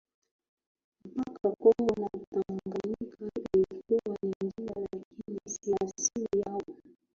mpaka Kongo na Tanganyika ilikuwa ni njia lakini si asili yao